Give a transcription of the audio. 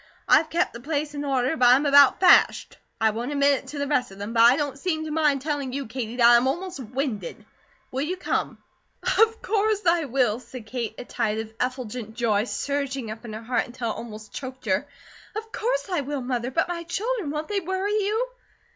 I've kep' the place in order, but I'm about fashed. I won't admit it to the rest of them; but I don't seem to mind telling you, Katie, that I am almost winded. Will you come?" "Of course I will," said Kate, a tide of effulgent joy surging up in her heart until it almost choked her. "Of course I will, Mother, but my children, won't they worry you?"